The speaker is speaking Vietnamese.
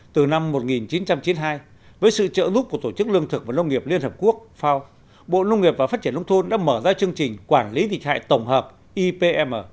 từ năm một nghìn chín trăm chín mươi hai với sự trợ giúp của tổ chức lương thực và nông nghiệp liên hợp quốc fao bộ nông nghiệp và phát triển nông thôn đã mở ra chương trình quản lý dịch hại tổng hợp ipm